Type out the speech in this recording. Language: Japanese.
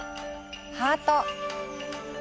ハート。